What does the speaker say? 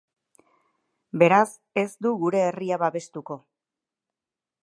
Beraz, ez du gure herria babestuko.